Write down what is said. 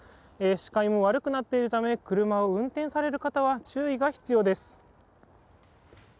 視界も悪くなっているため車を運転される方は注意が必要です。